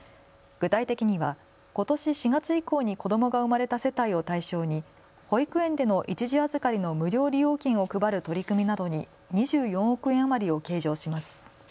具体的にはことし４月以降に子どもが生まれた世帯を対象に保育園での一時預かりの無料利用券を配る取り組みなどに２４億円余りを計上します。